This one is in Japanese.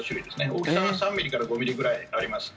大きさは３ｍｍから５ｍｍぐらいあります。